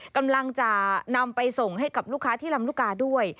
กำลังจะนำไปส่งให้กับลูกค้าที่ลำลูกกาด้วย